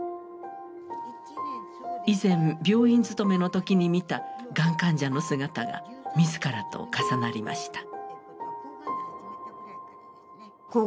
以前病院勤めの時に見たがん患者の姿が自らと重なりました。